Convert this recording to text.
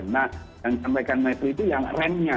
nah yang disampaikan maikwi itu yang remnya